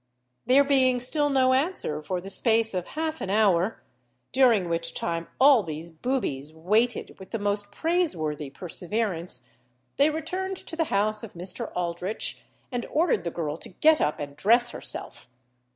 There being still no answer for the space of half an hour, during which time all these boobies waited with the most praiseworthy perseverance, they returned to the house of Mr. Aldritch, and ordered the girl to get up and dress herself.